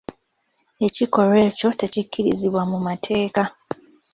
Ekikolwa ekyo tekikkirizibwa mu mateeka.